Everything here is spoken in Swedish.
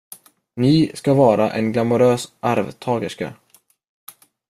Ni ska vara en glamourös arvtagerska.